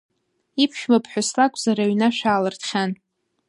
Иԥшәма ԥҳәыс лакәзар, аҩны ашә аалыртхьан.